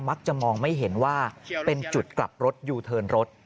มักจะมองไม่เห็นว่าเป็นจุดกลับรถยูเทิร์นรถ